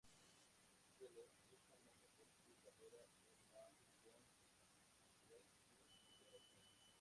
Steele es famoso por su carrera en la World Wrestling Federation.